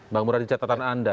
bang muradi catatan anda